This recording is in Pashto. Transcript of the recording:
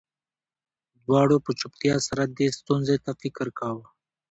دواړو په چوپتیا سره دې ستونزې ته فکر کاوه